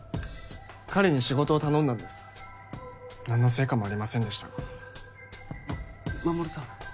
彼に仕事を頼んだんです何の成果もありませんでしたがマモルさん